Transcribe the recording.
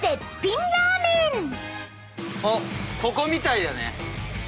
ここみたいだね。